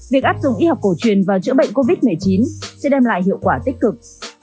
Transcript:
việc áp dụng y học cổ truyền và chữa bệnh covid một mươi chín sẽ đem lại hiệu quả tích cực